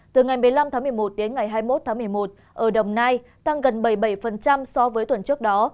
từ ngày một mươi năm tháng một mươi một đến ngày hai mươi một tháng một mươi một ở đồng nai tăng gần bảy mươi bảy so với tuần trước đó